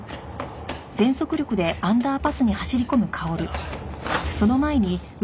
あっ。